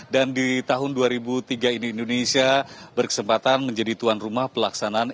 dan di tahun dua ribu tiga ini indonesia berkesempatan menjadi tuan rumah pelaksanaan